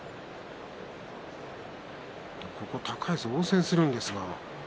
高安、応戦するんですが。